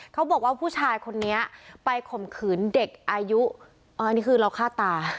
เขาบอกว่าผู้ชายคนนี้ไปข่มขืนเด็กอายุอันนี้คือเราฆ่าตา